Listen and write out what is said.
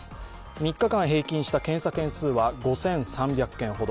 ３日間平均した検査件数は５３００件ほど。